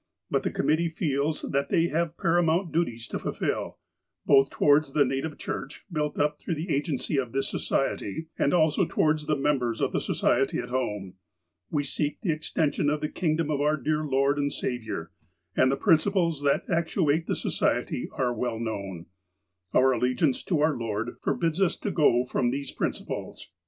But the committee feels that they have paramount duties to fulfill, both towards the Native Church, built up through the agency of this Society, and also towards the members of the Society at home. We seek the extension of the kingdom of our dear Lord and Sa viour, and the principles that actuate the Society are well known. Our allegiance to our Lord forbids us to go from these principles.